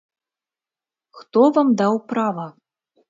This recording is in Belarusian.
Хто вам даў права?